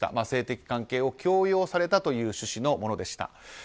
性的関係を強要されたという趣旨のものでした。